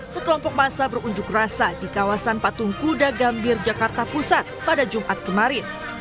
sekelompok masa berunjuk rasa di kawasan patung kuda gambir jakarta pusat pada jumat kemarin